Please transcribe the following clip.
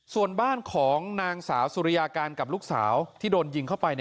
ส่วนบ้านของนางสาวสุริยาการกับลูกสาวที่โดนยิงเข้าไป